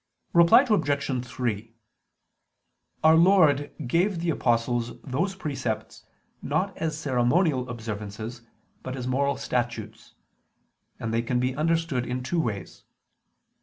Reply Obj. 3: Our Lord gave the apostles those precepts not as ceremonial observances, but as moral statutes: and they can be understood in two ways.